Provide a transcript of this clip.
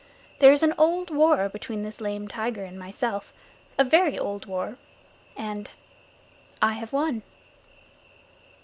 There is an old war between this lame tiger and myself a very old war, and I have won."